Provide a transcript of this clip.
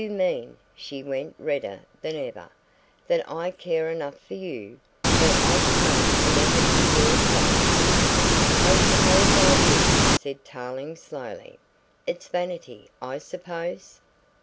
"You mean " she went redder than ever "that I care enough for you that I would make an effort for your sake?" "I suppose I do," said Tarling slowly, "it's vanity, I suppose?"